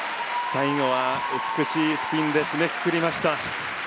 最後は美しいスピンで締めくくりました。